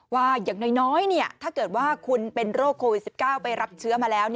อย่างน้อยถ้าเกิดว่าคุณเป็นโรคโควิด๑๙ไปรับเชื้อมาแล้ว